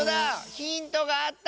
ヒントがあった！